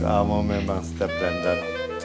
kamu memang step dandan